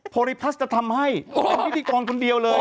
โพลิพัสจะทำให้เป็นพิธีกรคนเดียวเลย